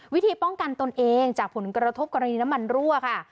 วิธีป้องกันตนเองจากผลกระทบกรณีน้ำมันรั่วค่ะ